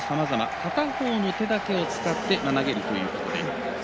片方の手だけを使って投げるということで。